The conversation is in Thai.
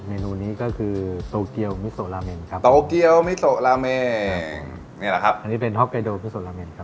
เมนูนี้ก็คือโตเกียวมิสโสราเม้งครับโตเกียวมิสโสราเม้งอันนี้เป็นฮอกไกโดมิสโสราเม้งครับ